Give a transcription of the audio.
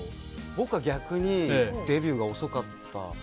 僕は逆にデビューが遅かった。